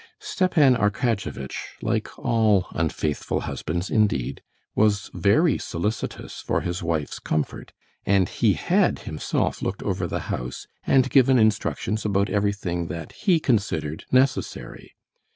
Stepan Arkadyevitch, like all unfaithful husbands indeed, was very solicitous for his wife's comfort, and he had himself looked over the house, and given instructions about everything that he considered necessary.